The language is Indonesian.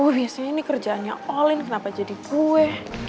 biasanya ini kerjaannya olin kenapa jadi gue